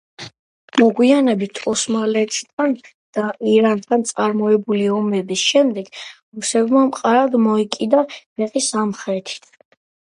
მოგვიანებით ოსმალეთთან და ირანთან წარმოებული ომების შემდეგ რუსეთმა მყარად მოიკიდა ფეხი სამხრეთით.